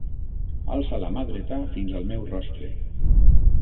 Alça la mà dreta fins al meu rostre.